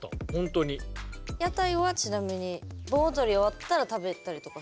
屋台はちなみに盆踊り終わったら食べたりとかする？